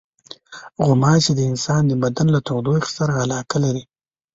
غوماشې د انسان د بدن له تودوخې سره علاقه لري.